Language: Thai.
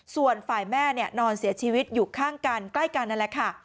ส่วนฝ่ายแม่นอนเสียชีวิตอยู่ข้างกันใกล้กันนั่นแหละค่ะ